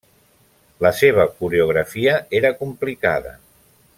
La seva coreografia era complicada.